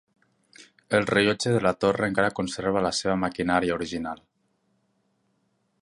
El rellotge de la torre encara conserva la seva maquinària original.